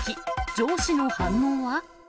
上司の反応は？